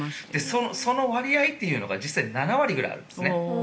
その割合というのが実際、７割くらいあるんですね。